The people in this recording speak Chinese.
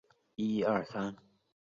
此举遭到后者否定。